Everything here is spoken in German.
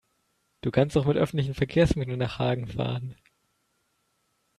Du kannst doch mit öffentlichen Verkehrsmitteln nach Hagen fahren